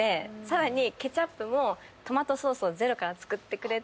さらにケチャップもトマトソースをゼロから作ってくれて。